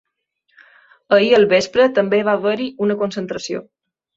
Ahir al vespre també va haver-hi una concentració.